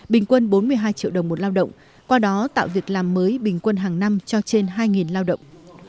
bình quân bốn mươi hai triệu đồng một lao động qua đó tạo việc làm mới bình quân hàng năm cho trên hai lao động